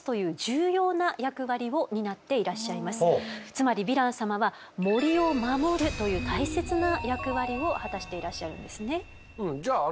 つまりヴィラン様は森を守るという大切な役割を果たしていらっしゃるんですね。